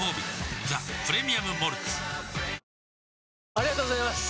ありがとうございます！